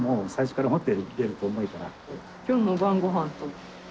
今日の晩ごはんと。